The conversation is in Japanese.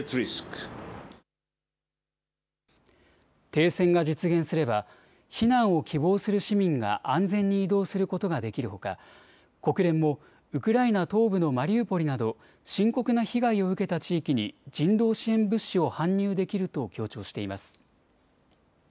停戦が実現すれば避難を希望する市民が安全に移動することができるほか国連もウクライナ東部のマリウポリなど深刻な被害を受けた地域に人道支援物資を搬入できると強調しています。